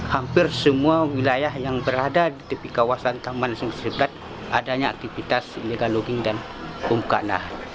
hampir semua wilayah yang berada di kawasan taman sengsirat adanya aktivitas ilegal logging dan pembukaan lahan